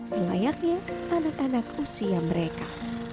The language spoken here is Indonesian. selayaknya anak anak usia mereka